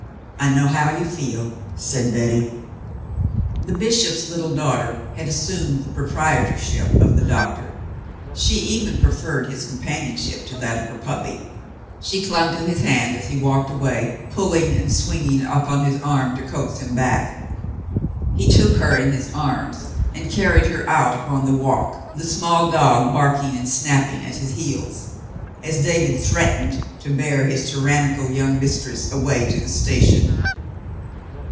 "I know how you feel," said Betty. The bishop's little daughter had assumed the proprie torship of the doctor. She even preferred his companion ship to that of her puppy. She clung to his hand as he walked away, pulling and swinging upon his arm to coax him back. He took her in his arms and carried her out upon the walk, the small dog barking and snapping at his heels, as David threatened to bear his tyrannical young mistress away to the station.